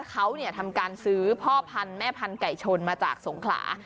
เขาทำการซื้อพ่อพันธุ์แม่พันธุไก่ชนมาจากสงขลา